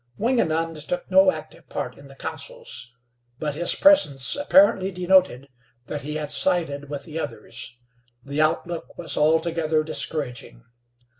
Wingenund took no active part in the councils; but his presence apparently denoted that he had sided with the others. The outlook was altogether discouraging.